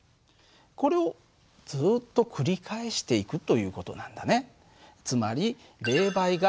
これをずっと繰り返していくという事なんだね。